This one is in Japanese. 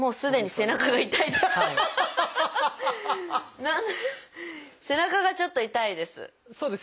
背中がちょっと痛いです。